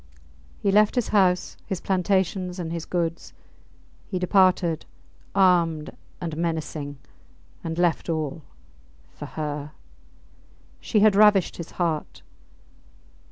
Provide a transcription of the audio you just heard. He left his house, his plantations, and his goods! He departed, armed and menacing, and left all for her! She had ravished his heart!